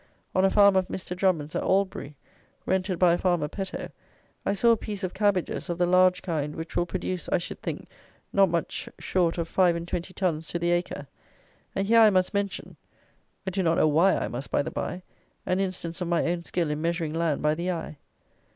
On a farm of Mr. Drummond's at Aldbury, rented by a farmer Peto, I saw a piece of cabbages, of the large kind, which will produce, I should think, not much short of five and twenty tons to the acre; and here I must mention (I do not know why I must, by the bye) an instance of my own skill in measuring land by the eye.